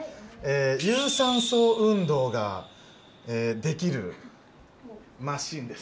有酸素運動ができるマシンです。